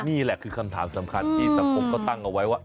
นี่แหละคือคำถามสำคัญที่สังคมเขาตั้งเอาไว้ว่า